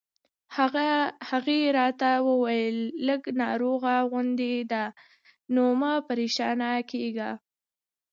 هغې راته وویل: لږ ناروغه غوندې ده، نو مه پرېشانه کېږه.